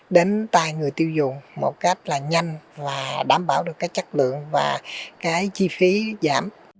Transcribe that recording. đến tay người tiêu dùng một cách là nhanh và đảm bảo được cái chất lượng và cái chi phí giảm